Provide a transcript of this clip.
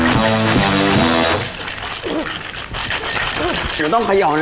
มันต้องเขย่อนานนะ